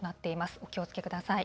お気をつけください。